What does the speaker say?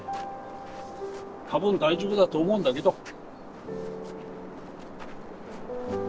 多分大丈夫だと思うんだけど。